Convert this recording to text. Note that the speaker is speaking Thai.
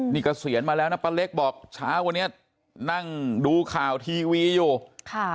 นี่เกษียณมาแล้วนะป้าเล็กบอกเช้าวันนี้นั่งดูข่าวทีวีอยู่ค่ะ